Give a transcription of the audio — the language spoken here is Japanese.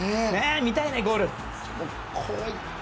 見たいね、ゴール！